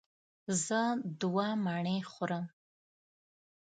زه دوه مڼې خورم.